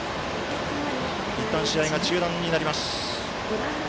いったん、試合が中断になります。